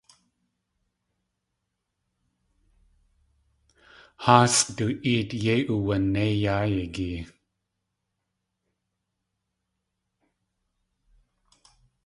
Háasʼ du éet yéi uwanéi yá yagiyee.